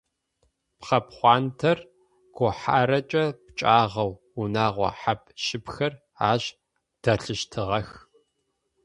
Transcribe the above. Пхъэ пхъуантэр гухьарэкӏэ пкӏагъэу, унэгъо хьап-щыпхэр ащ дэлъыщтыгъэх.